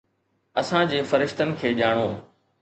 اسان جي فرشتن کي ڄاڻو.